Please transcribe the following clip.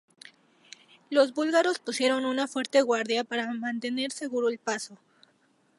Los búlgaros pusieron una fuerte guardia para mantener seguro el paso.